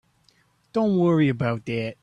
Don't worry about that.